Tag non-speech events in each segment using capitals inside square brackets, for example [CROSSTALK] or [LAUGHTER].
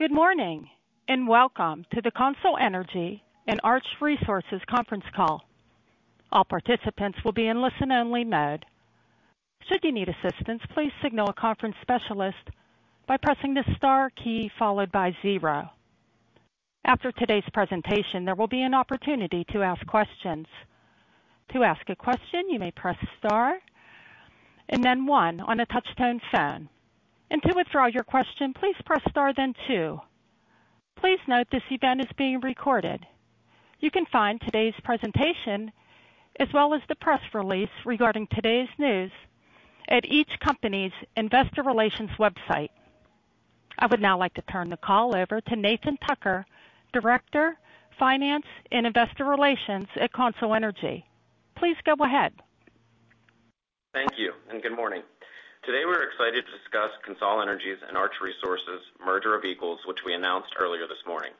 Good morning, and welcome to the CONSOL Energy and Arch Resources conference call. All participants will be in listen-only mode. Should you need assistance, please signal a conference specialist by pressing the star key followed by zero. After today's presentation, there will be an opportunity to ask questions. To ask a question, you may press Star and then one on a touch-tone phone, and to withdraw your question, please press Star, then two. Please note this event is being recorded. You can find today's presentation, as well as the press release regarding today's news, at each company's investor relations website. I would now like to turn the call over to Nathan Tucker, Director of Finance and Investor Relations at CONSOL Energy. Please go ahead. Thank you, and good morning. Today, we're excited to discuss CONSOL Energy's and Arch Resources' merger of equals, which we announced earlier this morning.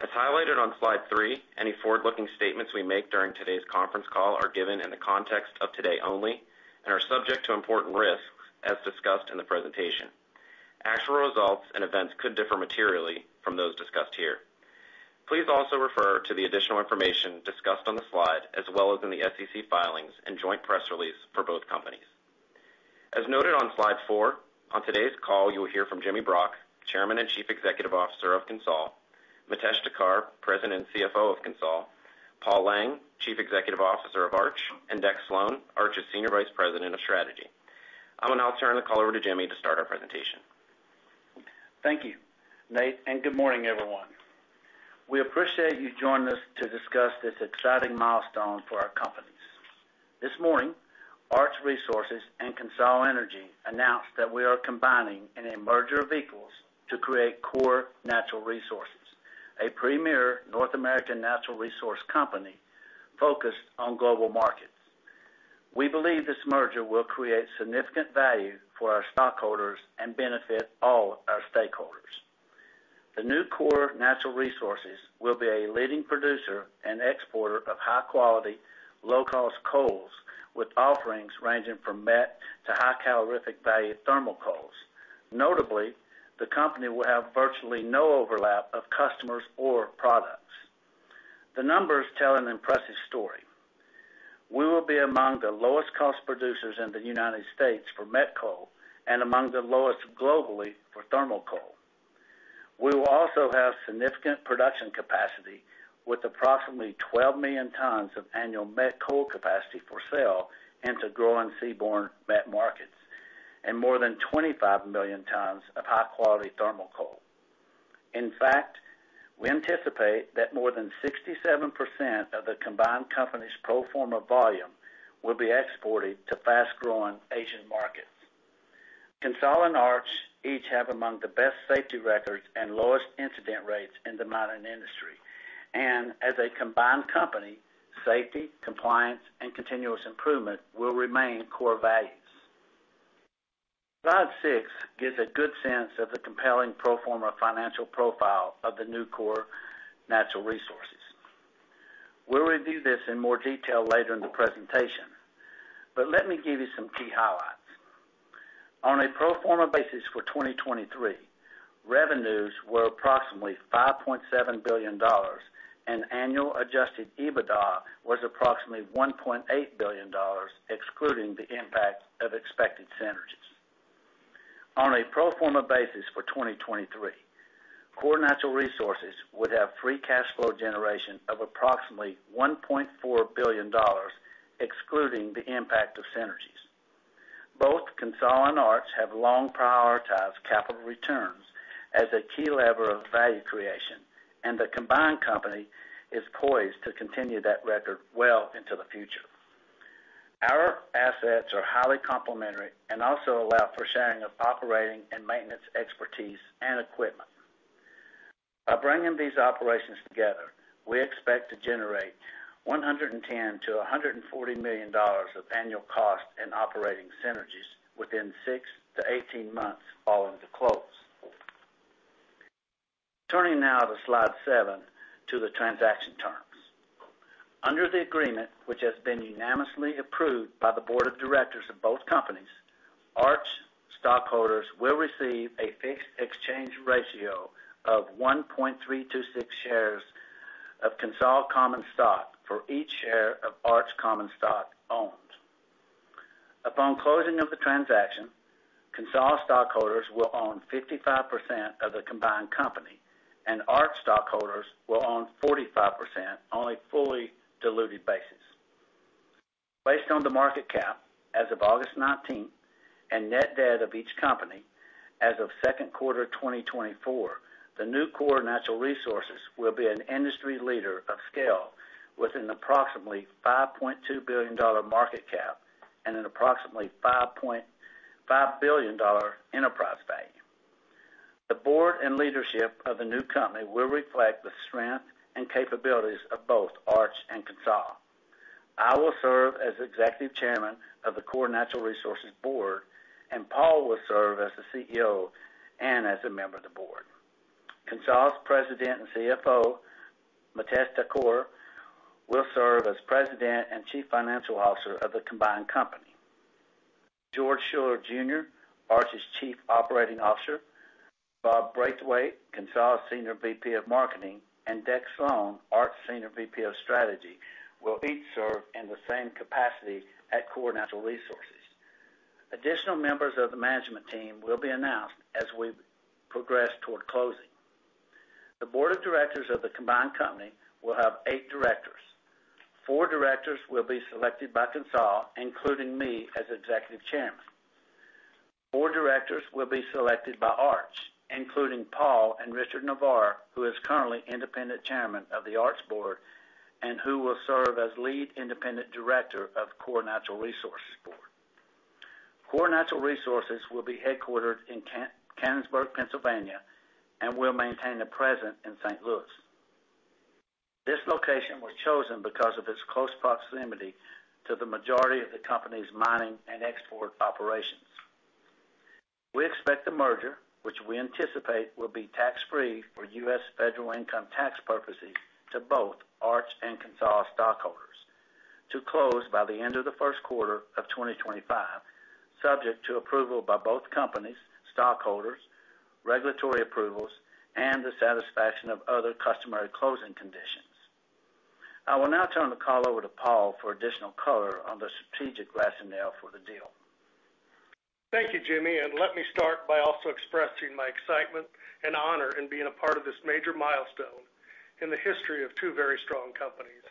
As highlighted on Slide 3, any forward-looking statements we make during today's conference call are given in the context of today only and are subject to important risks, as discussed in the presentation. Actual results and events could differ materially from those discussed here. Please also refer to the additional information discussed on the slide, as well as in the SEC filings and joint press release for both companies. As noted on Slide 4, on today's call, you will hear from Jimmy Brock, Chairman and Chief Executive Officer of CONSOL, Mitesh Thakkar, President and CFO of CONSOL, Paul Lang, Chief Executive Officer of Arch, and Deck Slone, Arch's Senior Vice President of Strategy. I will now turn the call over to Jimmy to start our presentation. Thank you, Nate, and good morning, everyone. We appreciate you joining us to discuss this exciting milestone for our companies. This morning, Arch Resources and CONSOL Energy announced that we are combining in a merger of equals to create Core Natural Resources, a premier North American natural resource company focused on global markets. We believe this merger will create significant value for our stockholders and benefit all our stakeholders. The new Core Natural Resources will be a leading producer and exporter of high-quality, low-cost coals, with offerings ranging from met to high calorific value thermal coals. Notably, the company will have virtually no overlap of customers or products. The numbers tell an impressive story. We will be among the lowest-cost producers in the United States for met coal and among the lowest globally for thermal coal. We will also have significant production capacity, with approximately 12 million tons of annual met coal capacity for sale into growing seaborne met markets and more than 25 million tons of high-quality thermal coal. In fact, we anticipate that more than 67% of the combined company's pro forma volume will be exported to fast-growing Asian markets. CONSOL and Arch each have among the best safety records and lowest incident rates in the mining industry, and as a combined company, safety, compliance, and continuous improvement will remain core values. Slide 6 gives a good sense of the compelling pro forma financial profile of the new Core Natural Resources. We'll review this in more detail later in the presentation, but let me give you some key highlights. On a pro forma basis for 2023, revenues were approximately $5.7 billion, and annual Adjusted EBITDA was approximately $1.8 billion, excluding the impact of expected synergies. On a pro forma basis for 2023, Core Natural Resources would have free cash flow generation of approximately $1.4 billion, excluding the impact of synergies. Both CONSOL and Arch have long prioritized capital returns as a key lever of value creation, and the combined company is poised to continue that record well into the future. Our assets are highly complementary and also allow for sharing of operating and maintenance expertise and equipment. By bringing these operations together, we expect to generate $110 million-$140 million of annual cost and operating synergies within six to 18 months following the close. Turning now to Slide 7, to the transaction terms. Under the agreement, which has been unanimously approved by the board of directors of both companies, Arch stockholders will receive a fixed exchange ratio of 1.326 shares of CONSOL common stock for each share of Arch common stock owned. Upon closing of the transaction, CONSOL stockholders will own 55% of the combined company, and Arch stockholders will own 45% on a fully diluted basis. Based on the market cap as of August nineteenth and net debt of each company as of Q2 2024, the new Core Natural Resources will be an industry leader of scale with an approximately $5.2 billion market cap and an approximately $5.5 billion enterprise value. The board and leadership of the new company will reflect the strength and capabilities of both Arch and CONSOL. I will serve as Executive Chairman of the Core Natural Resources Board, and Paul will serve as the CEO and as a member of the board. CONSOL's President and CFO, Mitesh Thakkar, will serve as President and Chief Financial Officer of the combined company. George Schuller Jr., Arch's Chief Operating Officer, Bob Braithwaite, CONSOL's Senior VP of Marketing, and Deck Slone, Arch's Senior VP of Strategy, will each serve in the same capacity at Core Natural Resources. Additional members of the management team will be announced as we progress toward closing. The board of directors of the combined company will have eight directors. Four directors will be selected by CONSOL, including me as Executive Chairman. Four directors will be selected by Arch, including Paul and Richard Navarre, who is currently Independent Chairman of the Arch Board and who will serve as Lead Independent Director of Core Natural Resources Board. Core Natural Resources will be headquartered in Canonsburg, Pennsylvania, and will maintain a presence in St. Louis. This location was chosen because of its close proximity to the majority of the company's mining and export operations. We expect the merger, which we anticipate will be tax-free for U.S. federal income tax purposes to both Arch and CONSOL stockholders, to close by the end of the Q1 of 2025, subject to approval by both companies' stockholders, regulatory approvals, and the satisfaction of other customary closing conditions. I will now turn the call over to Paul for additional color on the strategic rationale for the deal. Thank you, Jimmy, and let me start by also expressing my excitement and honor in being a part of this major milestone in the history of two very strong companies.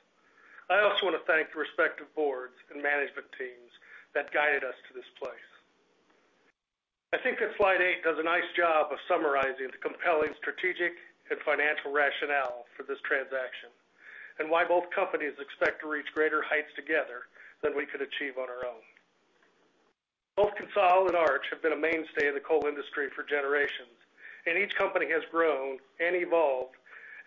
I also want to thank the respective boards and management teams that guided us to this place. I think that Slide 8 does a nice job of summarizing the compelling strategic and financial rationale for this transaction, and why both companies expect to reach greater heights together than we could achieve on our own. Both CONSOL and Arch have been a mainstay in the coal industry for generations, and each company has grown and evolved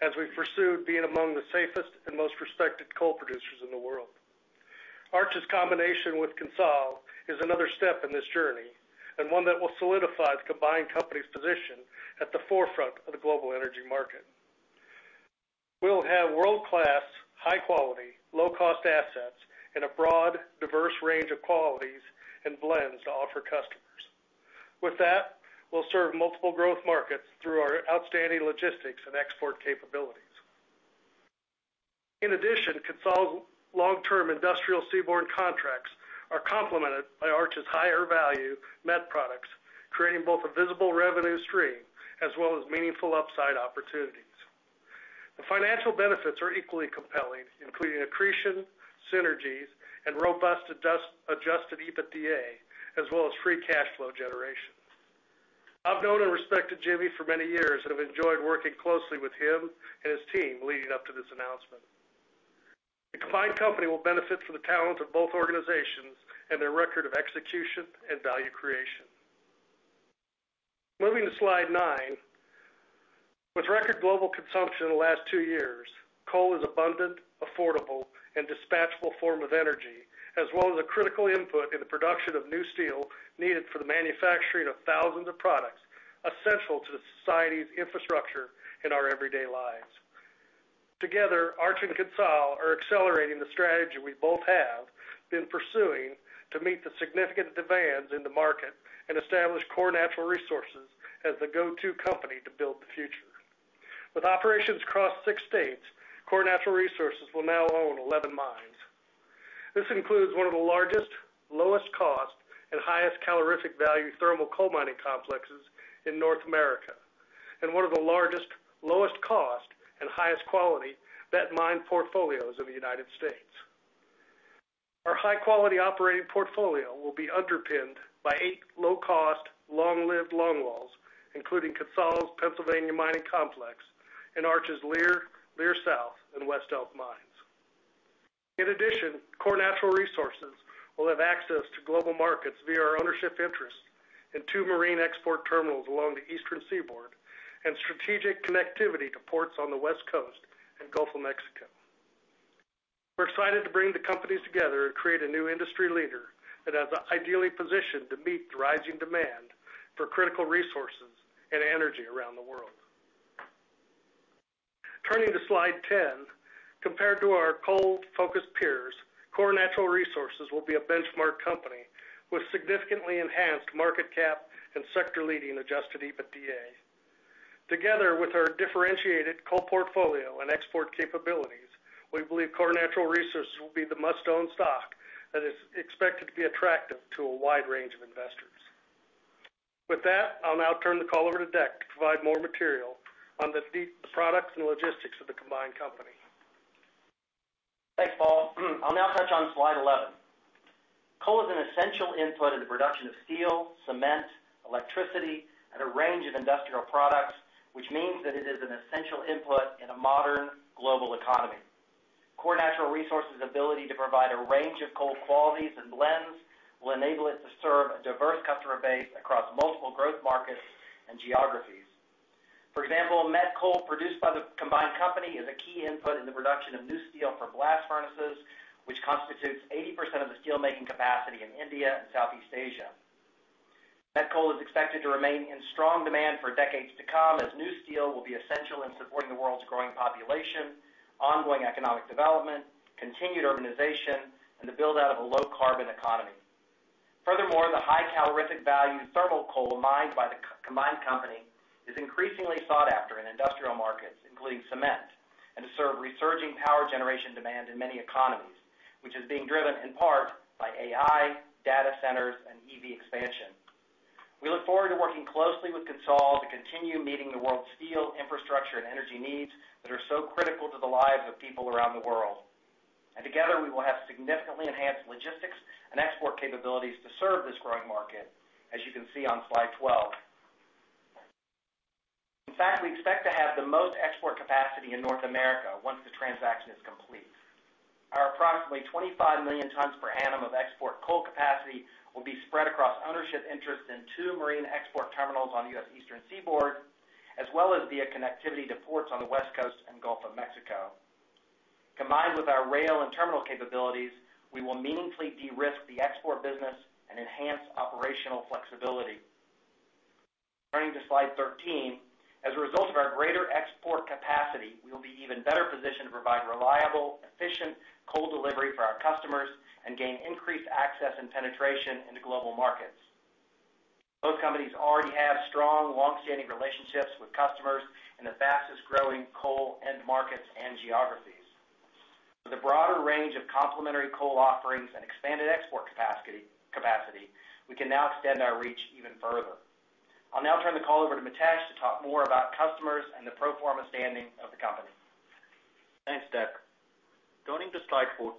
as we've pursued being among the safest and most respected coal producers in the world. Arch's combination with CONSOL is another step in this journey, and one that will solidify the combined company's position at the forefront of the global energy market. We'll have world-class, high quality, low-cost assets in a broad, diverse range of qualities and blends to offer customers. With that, we'll serve multiple growth markets through our outstanding logistics and export capabilities. In addition, CONSOL long-term industrial seaborne contracts are complemented by Arch's higher value met products, creating both a visible revenue stream as well as meaningful upside opportunities. The financial benefits are equally compelling, including accretion, synergies, and robust Adjusted EBITDA, as well as free cash flow generation. I've known and respected Jimmy for many years and have enjoyed working closely with him and his team leading up to this announcement. The combined company will benefit from the talent of both organizations and their record of execution and value creation. Moving to Slide 9. With record global consumption in the last two years, coal is abundant, affordable, and dispatchable form of energy, as well as a critical input in the production of new steel needed for the manufacturing of thousands of products essential to the society's infrastructure in our everyday lives. Together, Arch and CONSOL are accelerating the strategy we both have been pursuing to meet the significant demands in the market and establish Core Natural Resources as the go-to company to build the future. With operations across six states, Core Natural Resources will now own 11 mines. This includes one of the largest, lowest cost, and highest calorific value thermal coal mining complexes in North America, and one of the largest, lowest cost, and highest quality met mine portfolios in the United States. Our high-quality operating portfolio will be underpinned by eight low-cost, long-lived longwalls, including CONSOL's Pennsylvania Mining Complex and Arch's Leer, Leer South, and West Elk mines. In addition, Core Natural Resources will have access to global markets via our ownership interest in two marine export terminals along the Eastern seaboard, and strategic connectivity to ports on the West Coast and Gulf of Mexico. We're excited to bring the companies together and create a new industry leader that is ideally positioned to meet the rising demand for critical resources and energy around the world. Turning to Slide 10. Compared to our coal-focused peers, Core Natural Resources will be a benchmark company with significantly enhanced market cap and sector-leading Adjusted EBITDA. Together with our differentiated coal portfolio and export capabilities, we believe Core Natural Resources will be the must-own stock that is expected to be attractive to a wide range of investors. With that, I'll now turn the call over to Deck to provide more material on the products and logistics of the combined company. Thanks, Paul. I'll now touch on Slide 11. Coal is an essential input in the production of steel, cement, electricity, and a range of industrial products, which means that it is an essential input in a modern global economy. Core Natural Resources' ability to provide a range of coal qualities and blends will enable it to serve a diverse customer base across multiple growth markets and geographies. For example, met coal produced by the combined company is a key input in the production of new steel for blast furnaces, which constitutes 80% of the steelmaking capacity in India and Southeast Asia. Met coal is expected to remain in strong demand for decades to come, as new steel will be essential in supporting the world's growing population, ongoing economic development, continued urbanization, and the build-out of a low-carbon economy. Furthermore, the high calorific value thermal coal mined by the combined company is increasingly sought after in industrial markets, including cement, and to serve resurging power generation demand in many economies, which is being driven in part by AI, data centers, and EV expansion. We look forward to working closely with CONSOL to continue meeting the world's steel, infrastructure, and energy needs that are so critical to the lives of people around the world, and together, we will have significantly enhanced logistics and export capabilities to serve this growing market, as you can see on Slide 12. In fact, we expect to have the most export capacity in North America once the transaction is complete. Our approximately 25 million tons per annum of export coal capacity will be spread across ownership interests in two marine export terminals on the U.S. Eastern Seaboard, as well as via connectivity to ports on the West Coast and Gulf of Mexico. Combined with our rail and terminal capabilities, we will meaningfully de-risk the export business and enhance operational flexibility. Turning to Slide 13, as a result of our greater export capacity, we will be even better positioned to provide reliable, efficient coal delivery for our customers and gain increased access and penetration into global markets. Both companies already have strong, long-standing relationships with customers in the fastest-growing coal end markets and geographies. With a broader range of complementary coal offerings and expanded export capacity, we can now extend our reach even further. I'll now turn the call over to Mitesh to talk more about customers and the pro forma standing of the company. Thanks, Deck. Turning to Slide 14,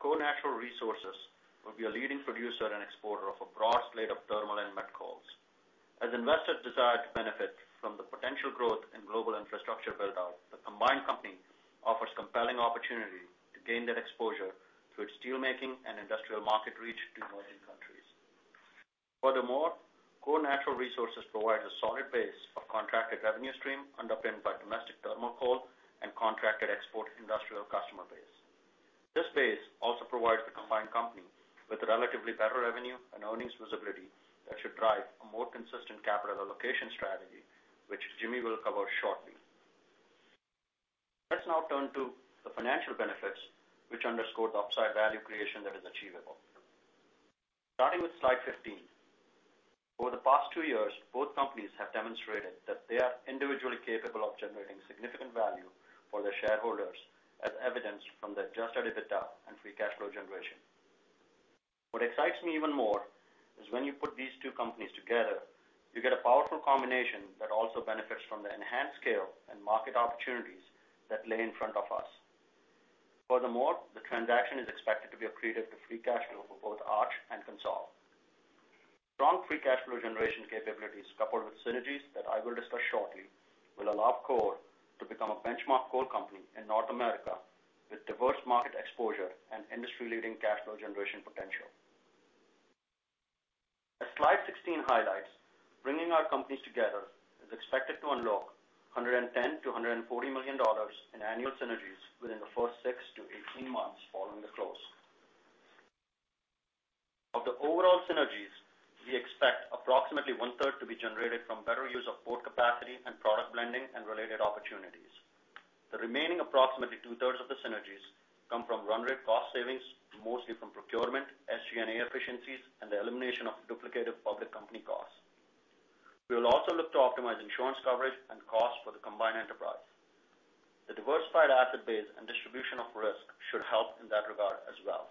Core Natural Resources will be a leading producer and exporter of a broad slate of thermal and met coals. As investors desire to benefit from the potential growth in global infrastructure build-out, the combined company offers compelling opportunity to gain that exposure through its steelmaking and industrial market reach to emerging countries. Furthermore, Core Natural Resources provides a solid base of contracted revenue stream, underpinned by domestic thermal coal and contracted export industrial customer base. This base also provides the combined company with relatively better revenue and earnings visibility that should drive a more consistent capital allocation strategy, which Jimmy will cover shortly. Let's now turn to the financial benefits, which underscore the upside value creation that is achievable. Starting with Slide 15, over the past two years, both companies have demonstrated that they are individually capable of generating significant value for their shareholders, as evidenced from their Adjusted EBITDA and free cash flow generation. What excites me even more is when you put these two companies together, you get a powerful combination that also benefits from the enhanced scale and market opportunities that lie in front of us. Furthermore, the transaction is expected to be accretive to free cash flow for both Arch and CONSOL. Strong free cash flow generation capabilities, coupled with synergies that I will discuss shortly, will allow Core to become a benchmark coal company in North America, with diverse market exposure and industry-leading cash flow generation potential. As Slide 16 highlights, bringing our companies together is expected to unlock $110-$140 million in annual synergies within the first six to 18 months following the close. Of the overall synergies, we expect approximately 1/3 to be generated from better use of port capacity and product blending and related opportunities. The remaining approximately 2/3 of the synergies come from run rate cost savings, mostly from procurement, SG&A efficiencies, and the elimination of duplicative public company costs. We will also look to optimize insurance coverage and cost for the combined enterprise. The diversified asset base and distribution of risk should help in that regard as well.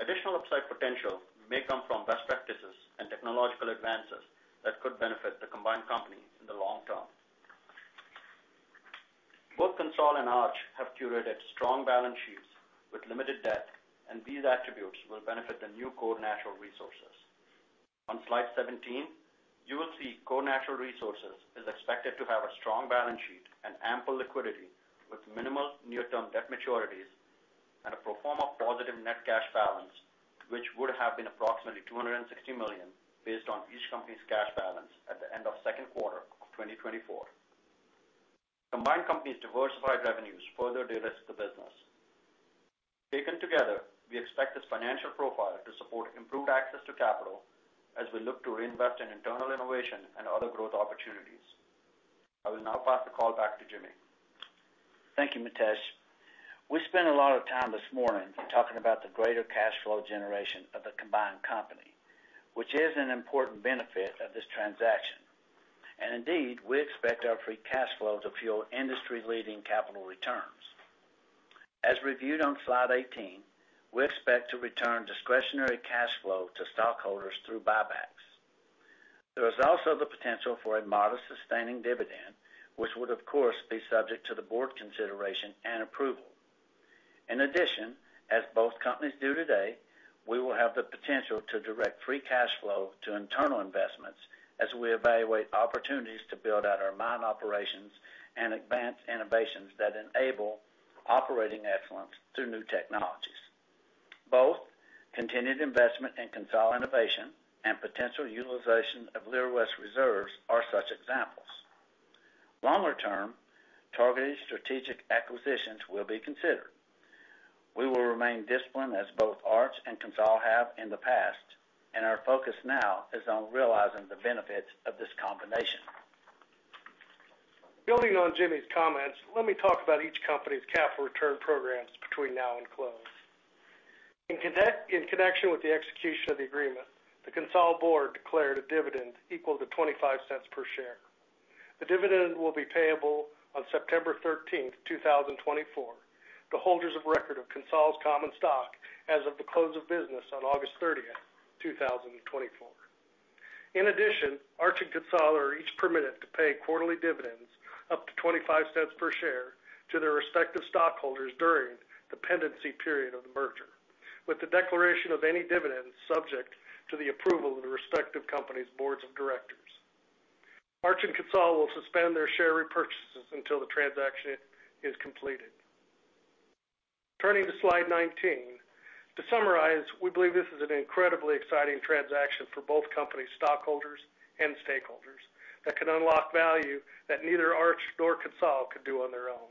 Additional upside potential may come from best practices and technological advances that could benefit the combined company in the long term. Both CONSOL and Arch have curated strong balance sheets with limited debt, and these attributes will benefit the new Core Natural Resources. On Slide 17, you will see Core Natural Resources is expected to have a strong balance sheet and ample liquidity, with minimal near-term debt maturities and a pro forma positive net cash balance, which would have been approximately $260 million, based on each company's cash balance at the end of Q2 of 2024. Combined companies' diversified revenues further de-risk the business. Taken together, we expect this financial profile to support improved access to capital as we look to reinvest in internal innovation and other growth opportunities. I will now pass the call back to Jimmy. Thank you, Mitesh. We spent a lot of time this morning talking about the greater cash flow generation of the combined company, which is an important benefit of this transaction, and indeed, we expect our free cash flow to fuel industry-leading capital returns. As reviewed on Slide 18, we expect to return discretionary cash flow to stockholders through buybacks. There is also the potential for a modest sustaining dividend, which would, of course, be subject to the board consideration and approval. In addition, as both companies do today, we will have the potential to direct free cash flow to internal investments as we evaluate opportunities to build out our mine operations and advance innovations that enable operating excellence through new technologies. Both continued investment in CONSOL innovation and potential utilization of Leer West reserves are such examples. Longer term, targeted strategic acquisitions will be considered. We will remain disciplined as both Arch and CONSOL have in the past, and our focus now is on realizing the benefits of this combination. Building on Jimmy's comments, let me talk about each company's capital return programs between now and close. In connection with the execution of the agreement, the CONSOL Board declared a dividend equal to $0.25 per share. The dividend will be payable on 13 September 2024, to holders of record of CONSOL's common stock as of the close of business on 30 August 2024. In addition, Arch and CONSOL are each permitted to pay quarterly dividends up to $0.25 per share to their respective stockholders during the pendency period of the merger, with the declaration of any dividends subject to the approval of the respective companies' boards of directors. Arch and CONSOL will suspend their share repurchases until the transaction is completed. Turning to Slide 19. To summarize, we believe this is an incredibly exciting transaction for both companies, stockholders, and stakeholders that can unlock value that neither Arch nor CONSOL could do on their own.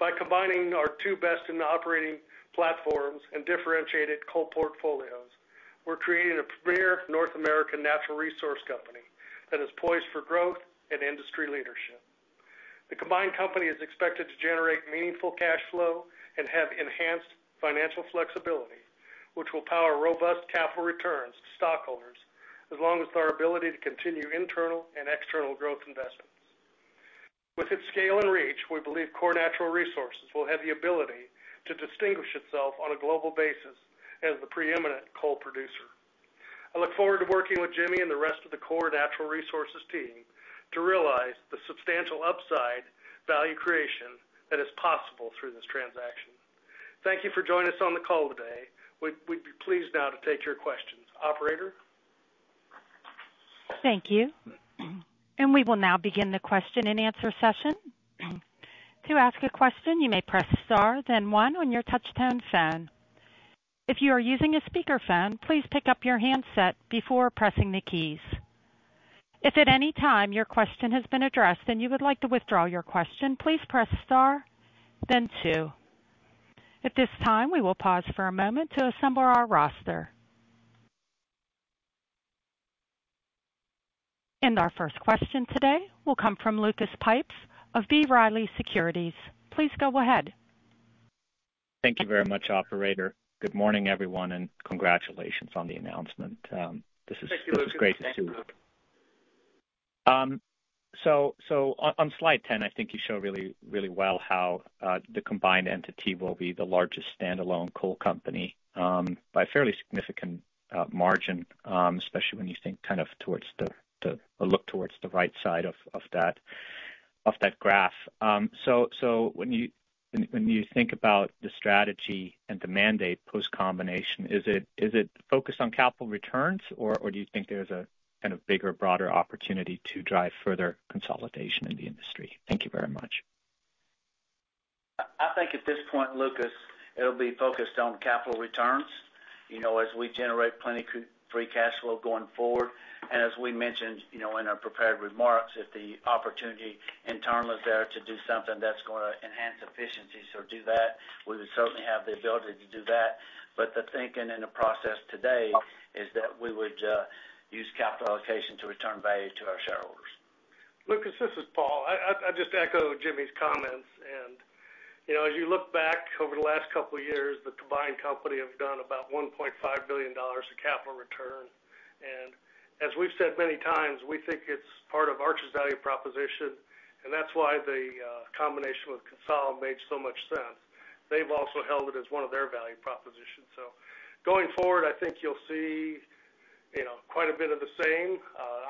By combining our two best in operating platforms and differentiated coal portfolios, we're creating a premier North American natural resource company that is poised for growth and industry leadership. The combined company is expected to generate meaningful cash flow and have enhanced financial flexibility, which will power robust capital returns to stockholders, as long as our ability to continue internal and external growth investments. With its scale and reach, we believe Core Natural Resources will have the ability to distinguish itself on a global basis as the preeminent coal producer. I look forward to working with Jimmy and the rest of the Core Natural Resources team to realize the substantial upside value creation that is possible through this transaction. Thank you for joining us on the call today. We'd be pleased now to take your questions. Operator? Thank you. And we will now begin the question-and-answer session. To ask a question, you may press star, then one on your touchtone phone. If you are using a speakerphone, please pick up your handset before pressing the keys. If at any time your question has been addressed and you would like to withdraw your question, please press star, then two. At this time, we will pause for a moment to assemble our roster. And our first question today will come from Lucas Pipes of B. Riley Securities. Please go ahead. Thank you very much, operator. Good morning, everyone, and congratulations on the announcement. [CROSSTALK] Great to see. So on Slide 10, I think you show really, really well how the combined entity will be the largest standalone coal company by a fairly significant margin, especially when you think kind of towards the or look towards the right side of that graph. So when you think about the strategy and the mandate post combination, is it focused on capital returns, or do you think there's a kind of bigger, broader opportunity to drive further consolidation in the industry? Thank you very much. I think at this point, Lucas, it'll be focused on capital returns, you know, as we generate plenty of free cash flow going forward. And as we mentioned, you know, in our prepared remarks, if the opportunity in turn was there to do something that's gonna enhance efficiency, so do that, we would certainly have the ability to do that. But the thinking and the process today is that we would use capital allocation to return value to our shareholders. Lucas, this is Paul. I just echo Jimmy's comments. You know, as you look back over the last couple of years, the combined company have done about $1.5 billion of capital return. As we've said many times, we think it's part of Arch's value proposition, and that's why the combination with CONSOL made so much sense. They've also held it as one of their value propositions. Going forward, I think you'll see, you know, quite a bit of the same.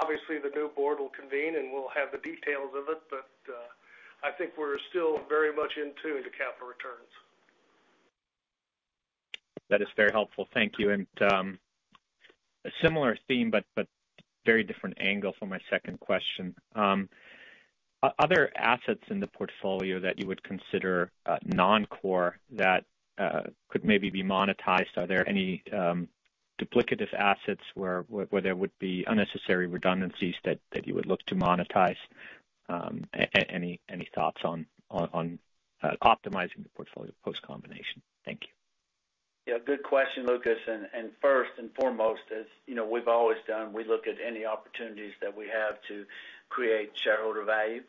Obviously, the new board will convene, and we'll have the details of it, but I think we're still very much in tune to capital returns. That is very helpful. Thank you, and a similar theme, but very different angle for my second question. Are there other assets in the portfolio that you would consider non-core that could maybe be monetized? Are there any duplicative assets where there would be unnecessary redundancies that you would look to monetize? Any thoughts on optimizing the portfolio post combination? Thank you. Yeah, good question, Lucas. And first and foremost, as you know, we've always done, we look at any opportunities that we have to create shareholder value.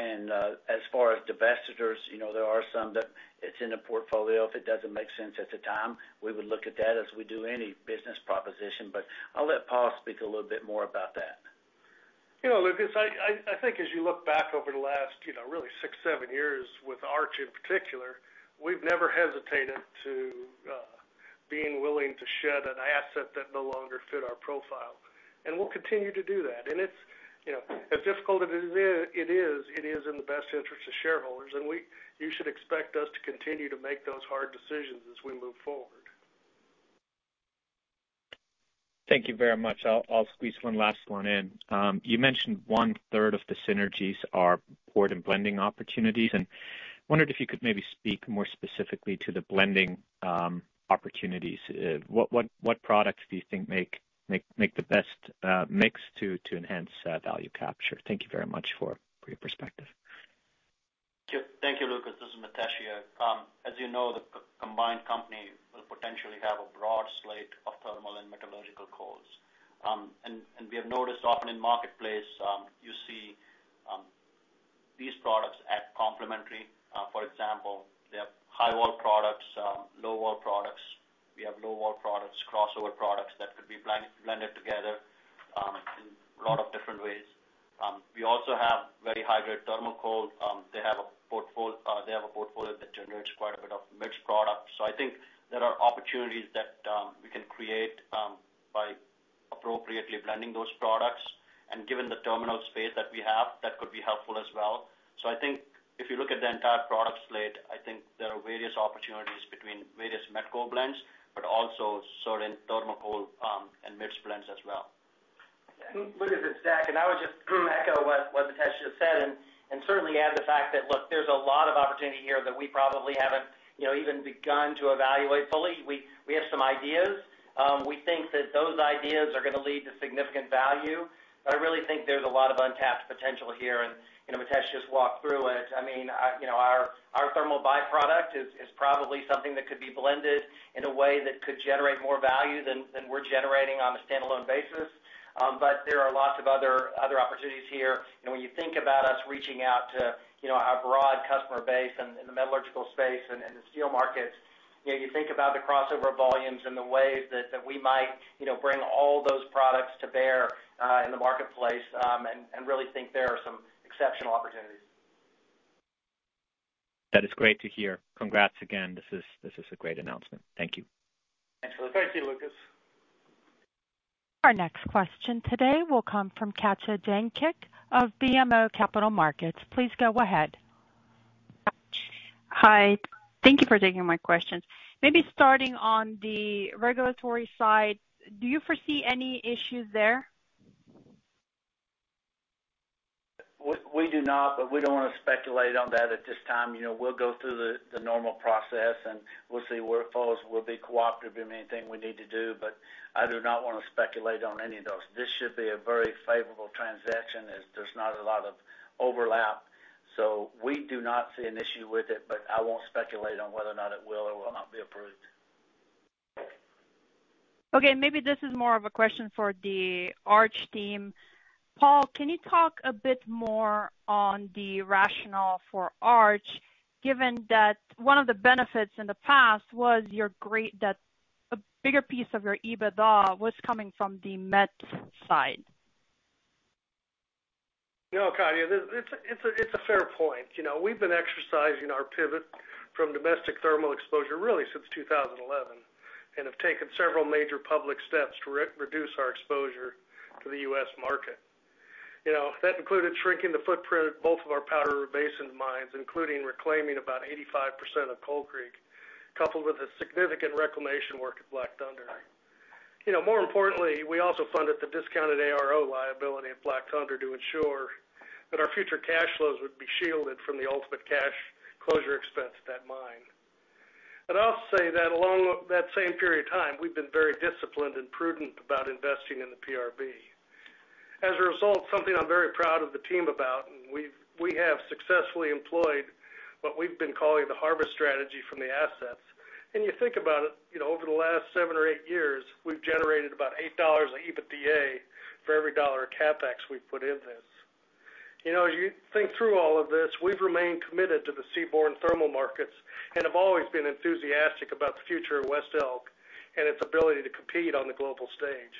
And as far as divestitures, you know, there are some that it's in the portfolio. If it doesn't make sense at the time, we would look at that as we do any business proposition, but I'll let Paul speak a little bit more about that. You know, Lucas, I think as you look back over the last, you know, really six, seven years with Arch in particular, we've never hesitated to being willing to shed an asset that no longer fit our profile, and we'll continue to do that. And it's, you know, as difficult as it is, it is in the best interest of shareholders, and you should expect us to continue to make those hard decisions as we move forward. Thank you very much. I'll squeeze one last one in. You mentioned 1/3 of the synergies are port and blending opportunities, and wondered if you could maybe speak more specifically to the blending opportunities. What products do you think make the best mix to enhance value capture? Thank you very much for your perspective. Thank you, Lucas. This is Mitesh here. As you know, the combined company will potentially have a broad slate of thermal and metallurgical coals. And we have noticed often in the marketplace, you see, these products act complementary. For example, they have high vol products, low vol products. We have low vol products, crossover products that could be blended together in a lot of different ways. We also have very high-grade thermal coal. They have a portfolio that generates quite a bit of mixed products. So I think there are opportunities that we can create by appropriately blending those products, and given the terminal space that we have, that could be helpful as well. I think if you look at the entire product slate, I think there are various opportunities between various met coal blends, but also certain thermal coal, and mixed blends as well. Lucas, it's Deck, and I would just echo what Mitesh has said, and certainly add the fact that, look, there's a lot of opportunity here that we probably haven't, you know, even begun to evaluate fully. We have some ideas. We think that those ideas are going to lead to significant value, but I really think there's a lot of untapped potential here, and, you know, Mitesh just walked through it. I mean, you know, our thermal byproduct is probably something that could be blended in a way that could generate more value than we're generating on a standalone basis. But there are lots of other opportunities here. You know, when you think about us reaching out to, you know, our broad customer base in the metallurgical space and in the steel markets, you know, you think about the crossover volumes and the ways that we might, you know, bring all those products to bear in the marketplace, and really think there are some exceptional opportunities. That is great to hear. Congrats again. This is, this is a great announcement. Thank you. Thanks, Lucas. Thank you, Lucas. Our next question today will come from Katja Jancic of BMO Capital Markets. Please go ahead. Hi. Thank you for taking my questions. Maybe starting on the regulatory side, do you foresee any issues there? We do not, but we don't want to speculate on that at this time. You know, we'll go through the normal process, and we'll see where it falls. We'll be cooperative in anything we need to do, but I do not want to speculate on any of those. This should be a very favorable transaction, as there's not a lot of overlap. So we do not see an issue with it, but I won't speculate on whether or not it will or will not be approved. Okay, maybe this is more of a question for the Arch team. Paul, can you talk a bit more on the rationale for Arch, given that one of the benefits in the past was that a bigger piece of your EBITDA was coming from the met side? You know, Katja, this, it's a, it's a fair point. You know, we've been exercising our pivot from domestic thermal exposure really since 2011, and have taken several major public steps to reduce our exposure to the U.S. market. You know, that included shrinking the footprint of both of our Powder River Basin mines, including reclaiming about 85% of Coal Creek, coupled with a significant reclamation work at Black Thunder. You know, more importantly, we also funded the discounted ARO liability at Black Thunder to ensure that our future cash flows would be shielded from the ultimate cash closure expense at that mine. I'd also say that along that same period of time, we've been very disciplined and prudent about investing in the PRB. As a result, something I'm very proud of the team about, and we have successfully employed what we've been calling the harvest strategy from the assets. And you think about it, you know, over the last seven or eight years, we've generated about eight dollars of EBITDA for every dollar of CapEx we've put in this. You know, as you think through all of this, we've remained committed to the seaborne thermal markets and have always been enthusiastic about the future of West Elk and its ability to compete on the global stage.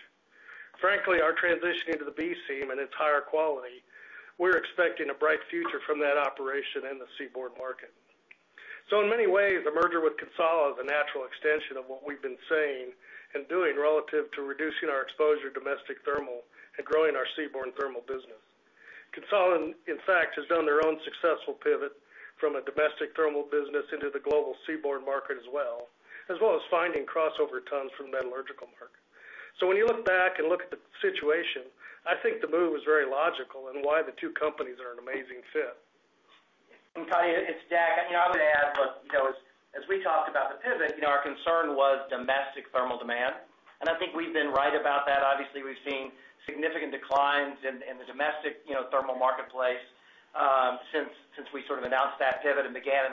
Frankly, our transitioning to the B seam and its higher quality, we're expecting a bright future from that operation in the seaborne market. So in many ways, the merger with CONSOL is a natural extension of what we've been saying and doing relative to reducing our exposure to domestic thermal and growing our seaborne thermal business. CONSOL, in fact, has done their own successful pivot from a domestic thermal business into the global seaborne market as well, as well as finding crossover tons from the metallurgical market, so when you look back and look at the situation, I think the move was very logical and why the two companies are an amazing fit. Katja, it's Deck. I mean, I would add, look, you know, as we talked about the pivot, you know, our concern was domestic thermal demand, and I think we've been right about that. Obviously, we've seen significant declines in the domestic, you know, thermal marketplace since we sort of announced that pivot and began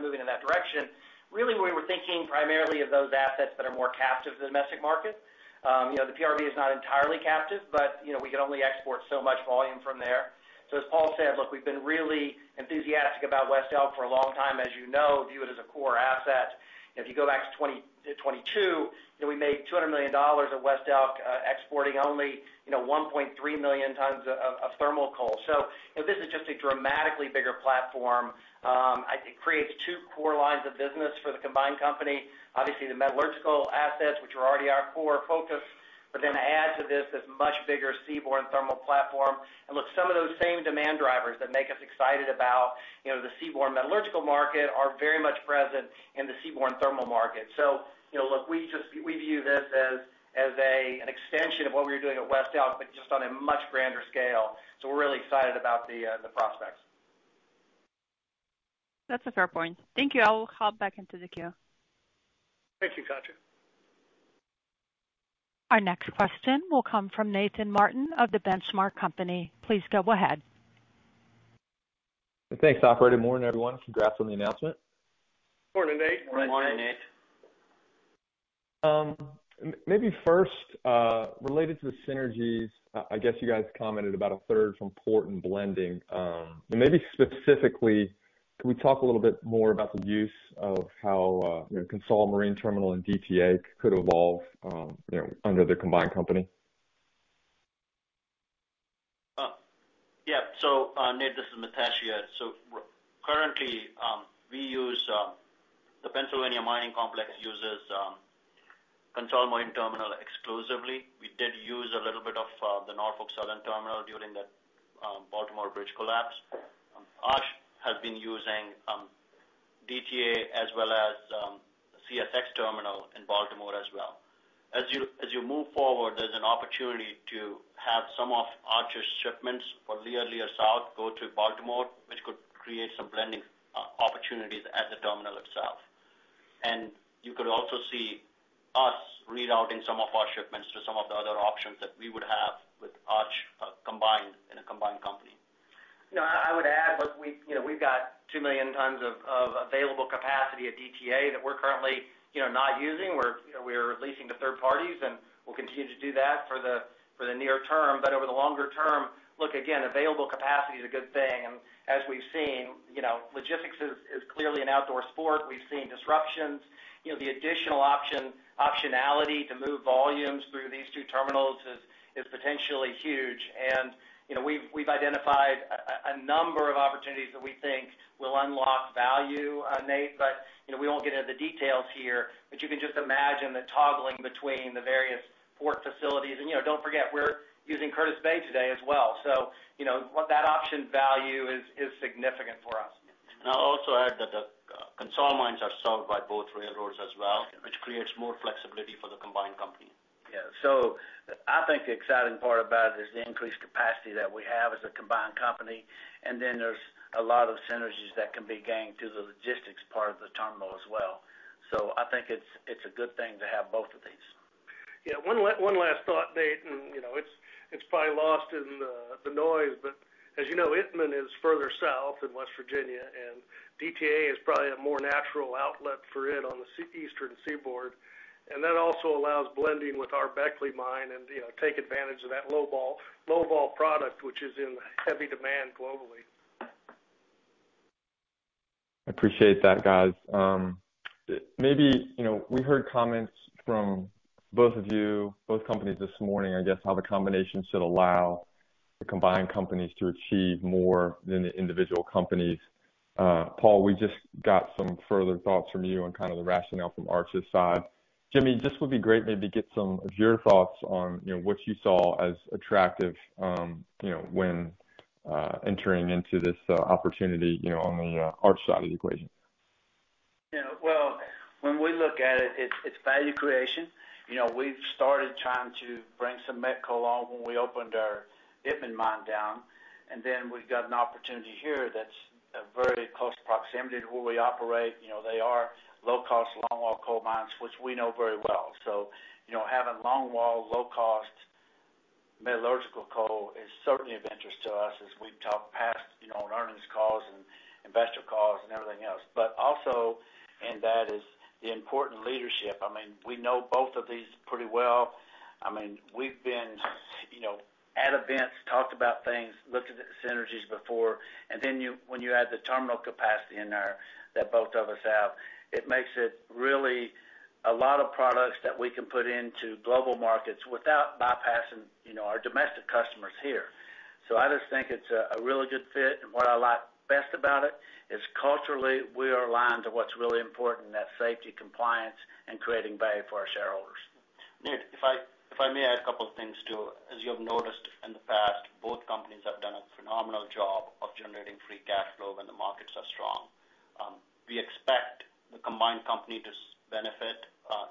moving in that direction. Really, we were thinking primarily of those assets that are more captive to the domestic market. You know, the PRB is not entirely captive, but, you know, we can only export so much volume from there. So as Paul said, look, we've been really enthusiastic about West Elk for a long time, as you know, view it as a core asset. If you go back to 2022, then we made $200 million at West Elk, exporting only, you know, 1.3 million tons of thermal coal. So, you know, this is just a dramatically bigger platform. It creates two core lines of business for the combined company. Obviously, the metallurgical assets, which are already our core focus, but then add to this, this much bigger seaborne thermal platform. And look, some of those same demand drivers that make us excited about, you know, the seaborne metallurgical market are very much present in the seaborne thermal market. So, you know, look, we just we view this as, as a, an extension of what we were doing at West Elk, but just on a much grander scale. So we're really excited about the prospects. That's a fair point. Thank you. I will hop back into the queue. Thank you, Katja. Our next question will come from Nathan Martin of The Benchmark Company. Please go ahead. Thanks, operator. Morning, everyone. Congrats on the announcement. Morning, Nate. Morning, Nate. Maybe first, related to the synergies, I guess you guys commented about a third from port and blending. But maybe specifically, can we talk a little bit more about the use of how, you know, CONSOL Marine Terminal and DTA could evolve, you know, under the combined company? Yeah. So, Nate, this is Mitesh here. So currently, we use the Pennsylvania Mining Complex uses the CONSOL Marine Terminal exclusively. We did use a little bit of the Norfolk Southern Terminal during the Baltimore bridge collapse. Arch has been using DTA as well as CSX terminal in Baltimore as well. As you move forward, there's an opportunity to have some of Arch's shipments for Leer, Leer South, go to Baltimore, which could create some blending opportunities at the terminal itself. And you could also see us rerouting some of our shipments to some of the other options that we would have with Arch combined in a combined company. You know, I would add, look, we've, you know, we've got two million tons of available capacity at DTA that we're currently, you know, not using. We're, you know, we're leasing to third parties, and we'll continue to do that for the near term, but over the longer term, look, again, available capacity is a good thing. And as we've seen, you know, logistics is clearly an outdoor sport. We've seen disruptions, you know, the additional optionality to move volumes through these two terminals is potentially huge. And, you know, we've identified a number of opportunities that we think will unlock value, Nate, but, you know, we won't get into the details here. But you can just imagine the toggling between the various port facilities. And, you know, don't forget, we're using Curtis Bay today as well. So you know, what that option value is, is significant for us. And I'll also add that the CONSOL mines are served by both railroads as well, which creates more flexibility for the combined company. Yeah. So I think the exciting part about it is the increased capacity that we have as a combined company, and then there's a lot of synergies that can be gained through the logistics part of the terminal as well. So I think it's, it's a good thing to have both of these. Yeah, one last thought, Nate, and, you know, it's probably lost in the noise, but as you know, Itmann is further south in West Virginia, and DTA is probably a more natural outlet for it on the eastern seaboard. And that also allows blending with our Beckley mine and, you know, take advantage of that low vol product, which is in heavy demand globally. I appreciate that, guys. Maybe, you know, we heard comments from both of you, both companies this morning, I guess, how the combination should allow the combined companies to achieve more than the individual companies. Paul, we just got some further thoughts from you on kind of the rationale from Arch's side. Jimmy, this would be great maybe to get some of your thoughts on, you know, what you saw as attractive, you know, when entering into this opportunity, you know, on the Arch side of the equation. Yeah, well, when we look at it, it's value creation. You know, we've started trying to bring some met coal on when we opened our Itmann Mine down, and then we've got an opportunity here that's a very close proximity to where we operate. You know, they are low cost, longwall coal mines, which we know very well. So, you know, having longwall, low cost metallurgical coal is certainly of interest to us as we've talked past, you know, on earnings calls and investor calls and everything else. But also, and that is the important leadership. I mean, we know both of these pretty well. I mean, we've been, you know, at events, talked about things, looked at the synergies before, and then you, when you add the terminal capacity in there that both of us have, it makes it really a lot of products that we can put into global markets without bypassing, you know, our domestic customers here. So I just think it's a really good fit, and what I like best about it is culturally, we are aligned to what's really important, and that's safety, compliance, and creating value for our shareholders. Nate, if I may add a couple of things, too. As you have noticed in the past, both companies have done a phenomenal job of generating free cash flow when the markets are strong. We expect the combined company to benefit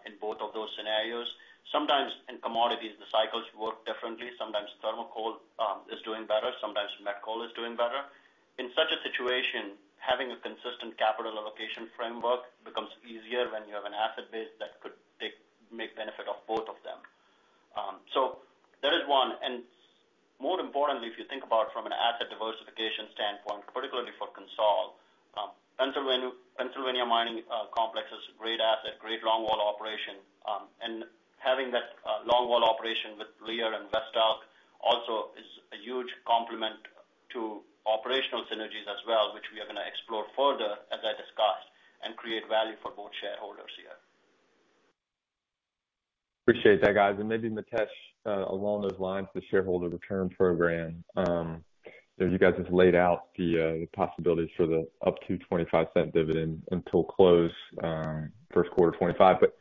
in both of those scenarios. Sometimes in commodities, the cycles work differently. Sometimes thermal coal is doing better, sometimes met coal is doing better. In such a situation, having a consistent capital allocation framework becomes easier when you have an asset base that could make benefit of both of them. So that is one. And more importantly, if you think about from an asset diversification standpoint, particularly for CONSOL, Pennsylvania Mining Complex is a great asset, great longwall operation. And having that longwall operation with Leer and West Elk also is a huge complement to operational synergies as well, which we are gonna explore further, as I discussed, and create value for both shareholders here. Appreciate that, guys. And maybe, Mitesh, along those lines, the shareholder return program, as you guys just laid out the possibilities for the up to $0.25 dividend until close, Q1 2025. But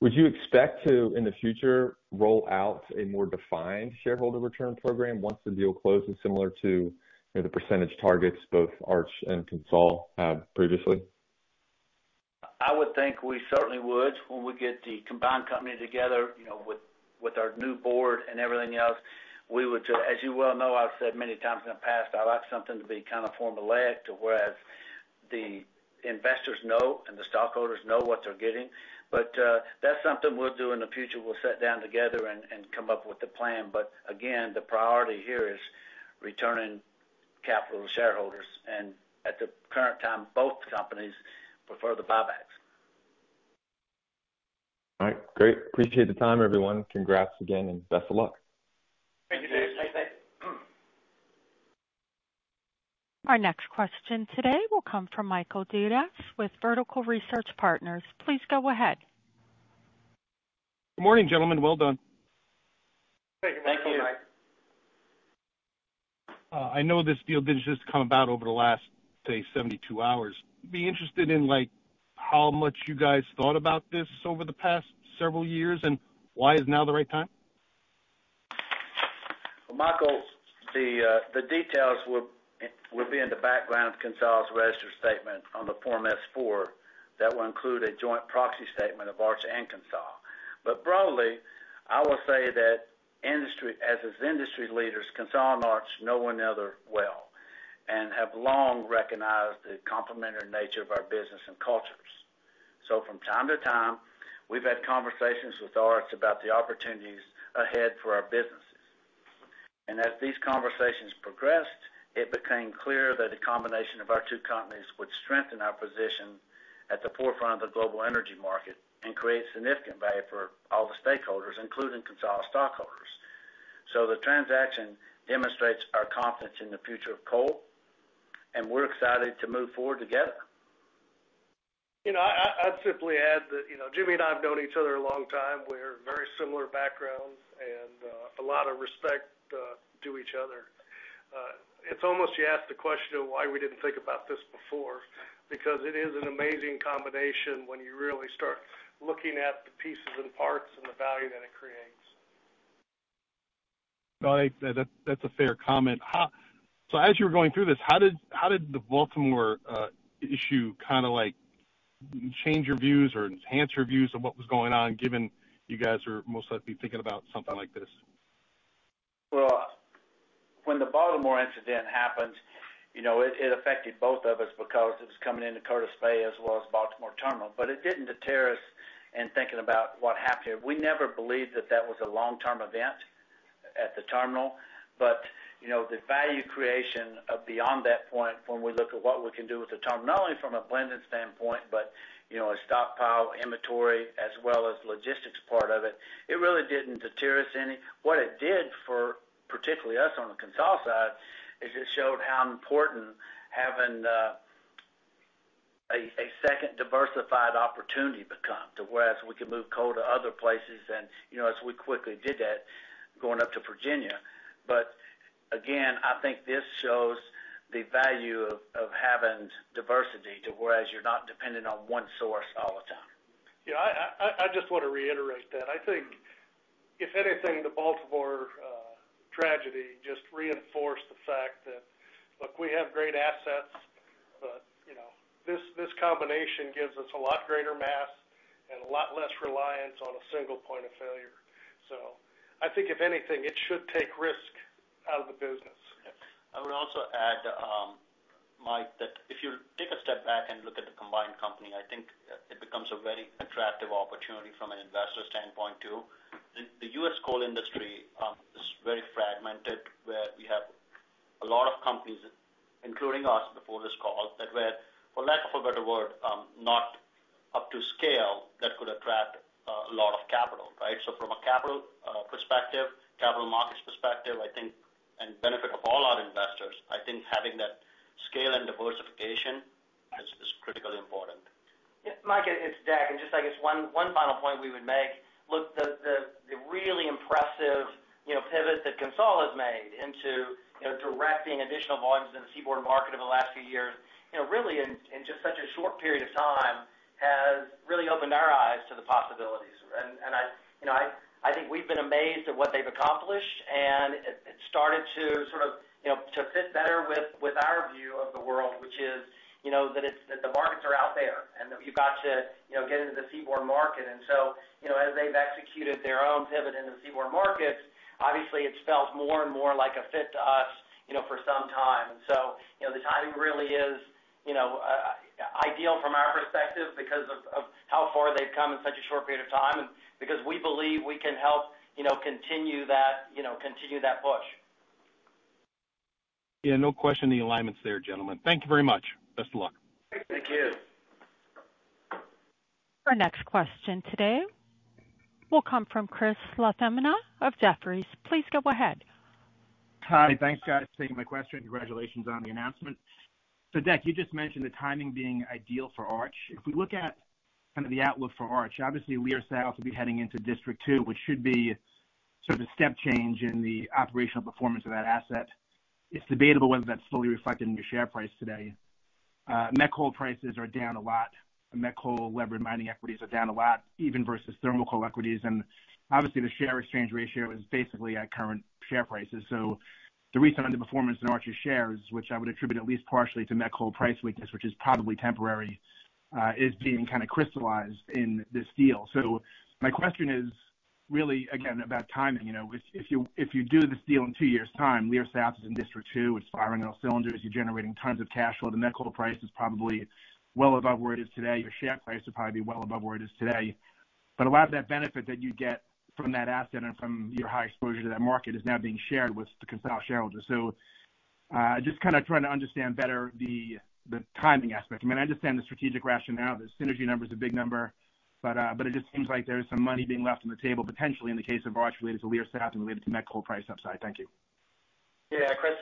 would you expect to, in the future, roll out a more defined shareholder return program once the deal closes, similar to, you know, the percentage targets both Arch and CONSOL had previously? I would think we certainly would, when we get the combined company together, you know, with our new board and everything else, we would do. As you well know, I've said many times in the past, I like something to be kind of formulaic to whereas the investors know and the stockholders know what they're getting. But that's something we'll do in the future. We'll sit down together and come up with a plan. But again, the priority here is returning capital to shareholders, and at the current time, both companies prefer the buybacks. All right, great. Appreciate the time, everyone. Congrats again, and best of luck. Thank you, Dave. [CROSSTALK] Thank, bye. Our next question today will come from Michael Dudas with Vertical Research Partners. Please go ahead. Good morning, gentlemen. Well done. Great. Thank you, Mike. I know this deal did just come about over the last, say, 72 hours. Be interested in, like, how much you guys thought about this over the past several years, and why is now the right time? Michael, the details will be in the background of CONSOL's registered statement on the Form S-4. That will include a joint proxy statement of Arch and CONSOL. Broadly, I will say that as its industry leaders, CONSOL and Arch know one another well and have long recognized the complementary nature of our business and cultures. From time to time, we've had conversations with Arch about the opportunities ahead for our businesses. As these conversations progressed, it became clear that a combination of our two companies would strengthen our position at the forefront of the global energy market and create significant value for all the stakeholders, including CONSOL's stockholders. The transaction demonstrates our confidence in the future of coal, and we're excited to move forward together. You know, I'd simply add that, you know, Jimmy and I have known each other a long time. We have very similar backgrounds and a lot of respect to each other. It's almost, you asked the question of why we didn't think about this before, because it is an amazing combination when you really start looking at the pieces and parts and the value that it creates. No, that's a fair comment. How so as you were going through this, how did the Baltimore issue kind of, like, change your views or enhance your views of what was going on, given you guys are most likely thinking about something like this? When the Baltimore incident happened, you know, it affected both of us because it was coming into Curtis Bay as well as Baltimore Terminal. But it didn't deter us in thinking about what happened. We never believed that that was a long-term event at the terminal. But, you know, the value creation of beyond that point, when we look at what we can do with the terminal, not only from a blending standpoint, but, you know, a stockpile, inventory, as well as logistics part of it, it really didn't deter us any. What it did for particularly us on the CONSOL side is it showed how important having a second diversified opportunity become to whereas we could move coal to other places and, you know, as we quickly did that, going up to Virginia. But again, I think this shows the value of having diversity to whereas you're not dependent on one source all the time. Yeah, I just want to reiterate that. I think if anything, the Baltimore tragedy just reinforced the fact that, look, we have great assets, but, you know, this combination gives us a lot greater mass and a lot less reliance on a single point of failure. So I think if anything, it should take risk out of the business. I would also add, Mike, that if you take a step back and look at the combined company, I think it becomes a very attractive opportunity from an investor standpoint, too. The U.S. coal industry is very fragmented, where we have a lot of companies, including us, before this call, that were, for lack of a better word, not up to scale, that could attract a lot of capital, right? So from a capital perspective, capital markets perspective, I think, and benefit of all our investors, I think having that scale and diversification is critically important. Yeah, Mike, it's Deck, and just, I guess one final point we would make. Look, the really impressive, you know, pivot that CONSOL has made into, you know, directing additional volumes in the seaborne market over the last few years, you know, really in just a short period of time, has really opened our eyes to the possibilities. And, you know, I think we've been amazed at what they've accomplished, and it started to sort of, you know, to fit better with our view of the world, which is, you know, that the markets are out there, and that you've got to, you know, get into the seaborne market. And so, you know, as they've executed their own pivot into the seaborne markets, obviously, it's felt more and more like a fit to us, you know, for some time. So, you know, the timing really is, you know, ideal from our perspective because of how far they've come in such a short period of time, and because we believe we can help, you know, continue that, you know, continue that push. Yeah, no question the alignment's there, gentlemen. Thank you very much. Best of luck. Thank you. Our next question today will come from Chris LaFemina of Jefferies. Please go ahead. Hi. Thanks, guys, for taking my question. Congratulations on the announcement. So Deck, you just mentioned the timing being ideal for Arch. If we look at kind of the outlook for Arch, obviously, we are set up to be heading into District 2, which should be sort of a step change in the operational performance of that asset. It's debatable whether that's slowly reflected in your share price today. Met coal prices are down a lot, and met coal levered mining equities are down a lot, even versus thermal coal equities. And obviously, the share exchange ratio is basically at current share prices. So the recent underperformance in Arch's shares, which I would attribute at least partially to met coal price weakness, which is probably temporary, is being kind of crystallized in this deal. So my question is really, again, about timing, you know. If you do this deal in two years' time, Leer South is in District 2, it's firing on all cylinders, you're generating tons of cash flow, the met coal price is probably well above where it is today. Your share price will probably be well above where it is today. But a lot of that benefit that you get from that asset and from your high exposure to that market is now being shared with the CONSOL shareholders. So, just kind of trying to understand better the timing aspect. I mean, I understand the strategic rationale, the synergy number is a big number, but it just seems like there is some money being left on the table, potentially in the case of Arch related to Leer South and related to met coal price upside. Thank you. Yeah, Chris,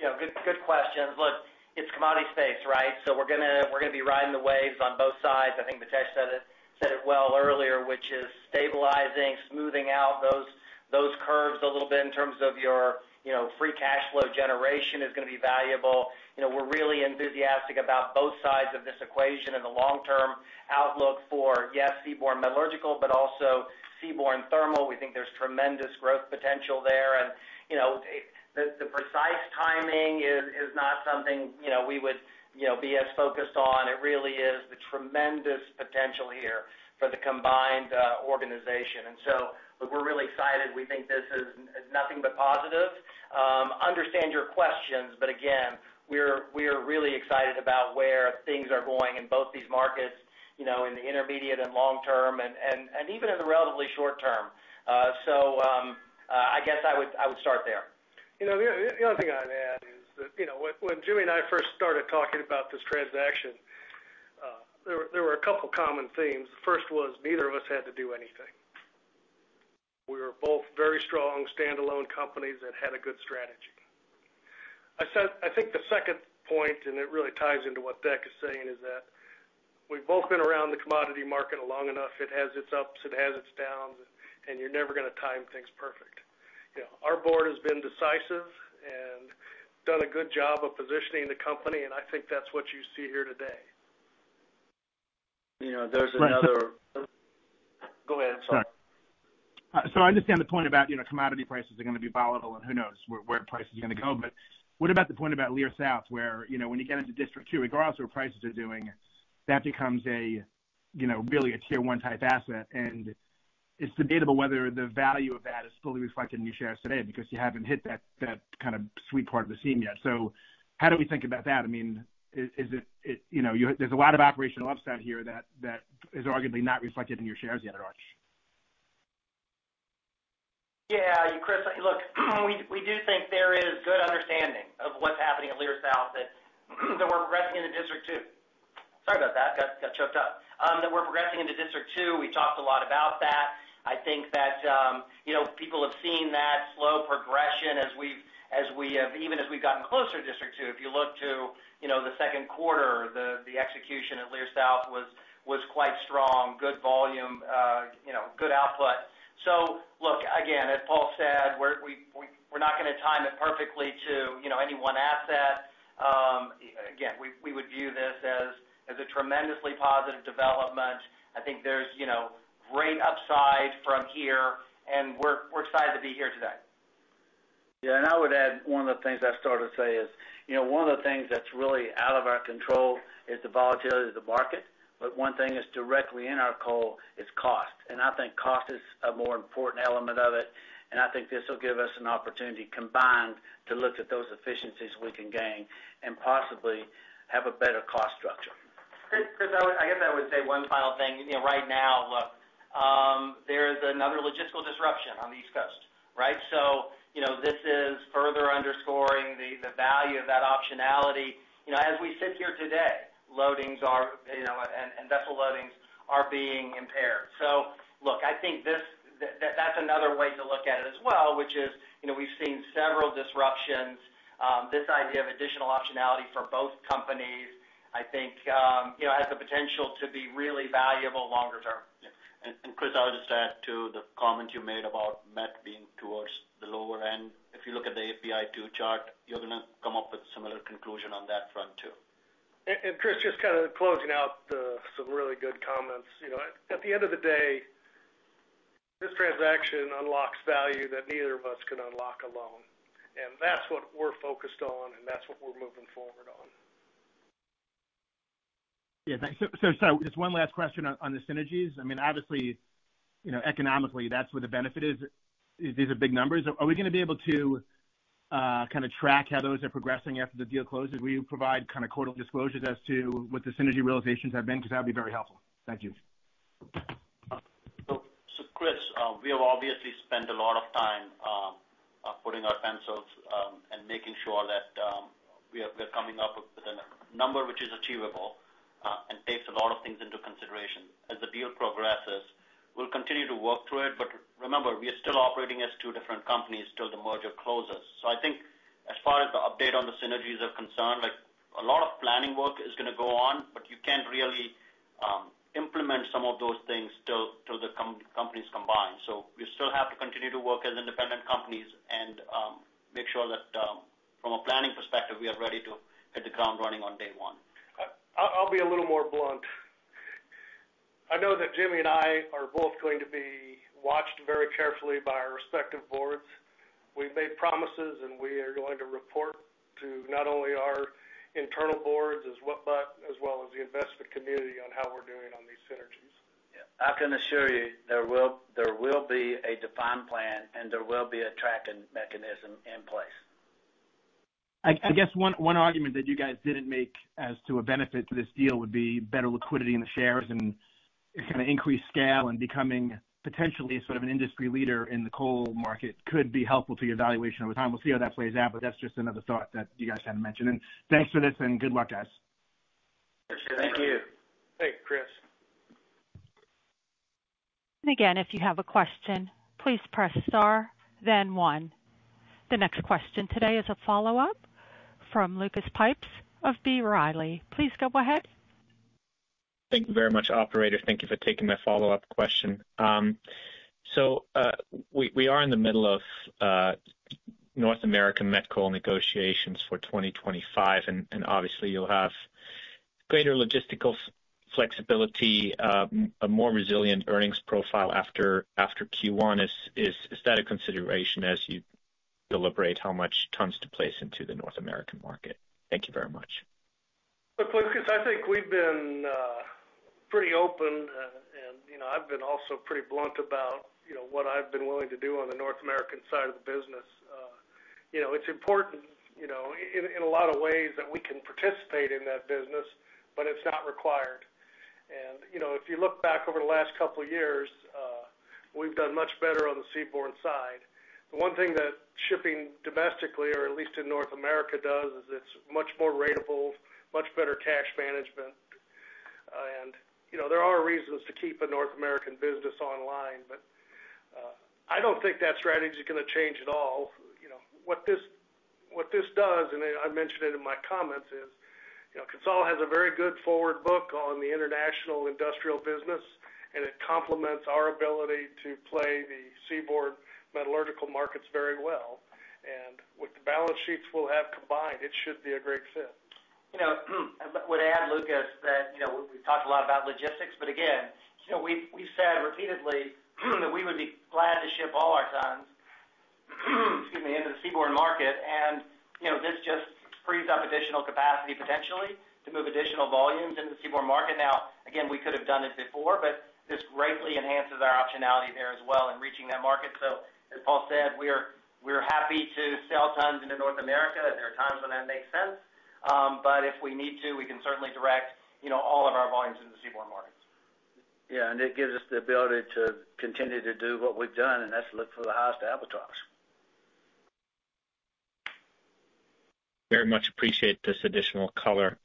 you know, good, good questions. Look, it's commodity space, right? So we're gonna, we're gonna be riding the waves on both sides. I think Mitesh said it well earlier, which is stabilizing, smoothing out those curves a little bit in terms of your, you know, free cash flow generation is gonna be valuable. You know, we're really enthusiastic about both sides of this equation and the long-term outlook for, yeah, seaborne metallurgical, but also seaborne thermal. We think there's tremendous growth potential there. And, you know, the precise timing is not something, you know, we would be as focused on. It really is the tremendous potential here for the combined organization. And so look, we're really excited. We think this is nothing but positive. I understand your questions, but again, we're really excited about where things are going in both these markets, you know, in the intermediate and long term and even in the relatively short term. So, I guess I would start there. You know, the only thing I'd add is that, you know, when Jimmy and I first started talking about this transaction, there were a couple common themes. The first was neither of us had to do anything. We were both very strong standalone companies that had a good strategy. I think the second point, and it really ties into what Deck is saying, is that we've both been around the commodity market long enough. It has its ups, it has its downs, and you're never gonna time things perfect. You know, our board has been decisive and done a good job of positioning the company, and I think that's what you see here today. You know, there's another [CROSSTALK] Go ahead. I'm sorry. Sorry. So I understand the point about, you know, commodity prices are gonna be volatile, and who knows where price is gonna go. But what about the point about Leer South, where, you know, when you get into District 2, regardless of what prices are doing, that becomes a, you know, really a Tier 1 type asset, and it's debatable whether the value of that is fully reflected in your shares today, because you haven't hit that kind of sweet part of the seam yet. So how do we think about that? I mean, is it, you know, there's a lot of operational upside here that is arguably not reflected in your shares yet at Arch. Yeah, Chris, look, we do think there is good understanding of what's happening at Leer South, that we're progressing into District 2. Sorry about that, got choked up. That we're progressing into District 2. We talked a lot about that. I think that, you know, people have seen that slow progression even as we've gotten closer to District 2. If you look to the Q2, the execution at Leer South was quite strong. Good volume, you know, good output. So look, again, as Paul said, we're not gonna time it perfectly to, you know, any one asset. Again, we would view this as a tremendously positive development. I think there's, you know, great upside from here, and we're excited to be here today. Yeah, and I would add one of the things I started to say is, you know, one of the things that's really out of our control is the volatility of the market, but one thing that's directly in our control is cost. And I think cost is a more important element of it, and I think this will give us an opportunity, combined, to look at those efficiencies we can gain and possibly have a better cost structure. Chris, Chris, I guess I would say one final thing. You know, right now, look, there is another logistical disruption on the East Coast, right? So, you know, this is further underscoring the value of that optionality. You know, as we sit here today, loadings are, you know, and vessel loadings are being impaired. So look, I think that, that's another way to look at it as well, which is, you know, we've seen several disruptions. This idea of additional optionality for both companies, I think, you know, has the potential to be really valuable longer term. Yeah. Chris, I'll just add to the comment you made about met being towards the lower end. If you look at the API 2 chart, you're gonna come up with similar conclusion on that front, too. Chris, just kind of closing out some really good comments. You know, at the end of the day, this transaction unlocks value that neither of us could unlock alone, and that's what we're focused on, and that's what we're moving forward on. Yeah, thanks. So just one last question on the synergies. I mean, obviously, you know, economically, that's where the benefit is. These are big numbers. Are we gonna be able to kind of track how those are progressing after the deal closes? Will you provide kind of quarterly disclosures as to what the synergy realizations have been? Because that'd be very helpful. Thank you. So, Chris, we have obviously spent a lot of time putting our pencils and making sure that we are coming up with a number which is achievable and takes a lot of things into consideration. As the deal progresses, we'll continue to work through it, but remember, we are still operating as two different companies till the merger closes. So I think as far as the update on the synergies are concerned, like, a lot of planning work is gonna go on, but you can't really implement some of those things till the companies combine. So we still have to continue to work as independent companies and make sure that from a planning perspective, we are ready to hit the ground running on day one. I'll be a little more blunt. I know that Jimmy and I are both going to be watched very carefully by our respective boards. We've made promises, and we are going to report to not only our internal boards as well, but as well as the investment community on how we're doing on these synergies. Yeah, I can assure you there will, there will be a defined plan, and there will be a tracking mechanism in place. I guess one argument that you guys didn't make as to a benefit to this deal would be better liquidity in the shares and kind of increased scale and becoming potentially sort of an industry leader in the coal market could be helpful to your valuation over time. We'll see how that plays out, but that's just another thought that you guys hadn't mentioned, and thanks for this, and good luck, guys. Thank you. Thanks, Chris. Again, if you have a question, please press star then one. The next question today is a follow-up from Lucas Pipes of B. Riley. Please go ahead. Thank you very much, operator. Thank you for taking my follow-up question. So, we are in the middle of North American met coal negotiations for 2025, and obviously, you'll have greater logistical flexibility, a more resilient earnings profile after Q1. Is that a consideration as you deliberate how much tons to place into the North American market? Thank you very much. Look, Lucas, I think we've been pretty open, and, you know, I've been also pretty blunt about, you know, what I've been willing to do on the North American side of the business. You know, it's important, you know, in a lot of ways that we can participate in that business, but it's not required, and you know, if you look back over the last couple of years, we've done much better on the seaborne side. The one thing that shipping domestically, or at least in North America, does is it's much more ratable, much better cash management. And, you know, there are reasons to keep a North American business online, but I don't think that strategy is gonna change at all. You know, what this does, and I mentioned it in my comments, is, you know, CONSOL has a very good forward book on the international industrial business, and it complements our ability to play the seaborne metallurgical markets very well. And with the balance sheets we'll have combined, it should be a great fit. You know, I would add, Lucas, that, you know, we've talked a lot about logistics, but again, you know, we've said repeatedly, that we would be glad to ship all our tons, excuse me, into the seaborne market. And, you know, this just frees up additional capacity potentially to move additional volumes into the seaborne market. Now, again, we could have done this before, but this greatly enhances our optionality there as well in reaching that market. So as Paul said, we're happy to sell tons into North America if there are times when that makes sense. But if we need to, we can certainly direct, you know, all of our volumes into the seaborne markets. Yeah, and it gives us the ability to continue to do what we've done, and that's look for the highest arbitrages. Very much appreciate this additional color.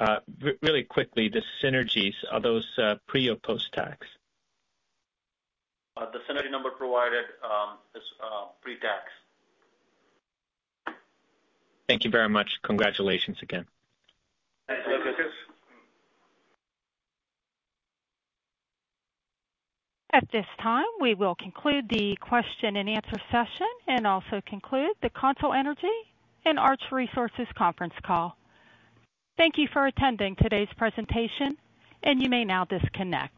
Really quickly, the synergies, are those pre or post-tax? The synergy number provided is pre-tax. Thank you very much. Congratulations again. Thanks, Lucas. At this time, we will conclude the question-and-answer session and also conclude the CONSOL Energy and Arch Resources conference call. Thank you for attending today's presentation, and you may now disconnect.